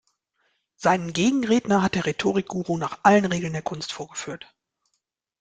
Seinen Gegenredner hat der Rhetorik-Guru nach allen Regeln der Kunst vorgeführt.